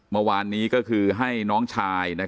เมื่อวานนี้ก็คือให้น้องชาย